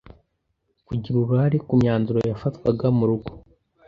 kugira uruhare ku myanzuro yafatwaga mu rugo